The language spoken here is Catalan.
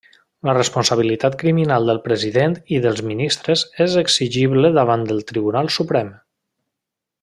La responsabilitat criminal del President i dels ministres és exigible davant el Tribunal Suprem.